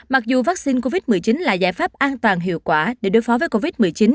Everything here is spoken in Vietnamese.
mặc dù vaccine covid một mươi chín là giải pháp an toàn hiệu quả để đối phó với covid một mươi chín